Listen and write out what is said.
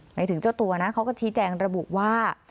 หมายถึงเจ้าตัวนะเขาก็ชี้แจงระบุว่า